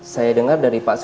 saya dengar dari pak